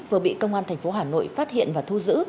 vừa bị công an thành phố hà nội phát hiện và thu giữ